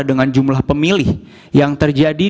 dengan jumlah pemilih yang terjadi